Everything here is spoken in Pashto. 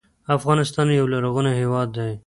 افغانستان یو لرغونی هېواد دی